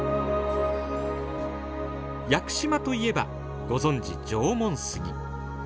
屋久島といえばご存じ縄文杉。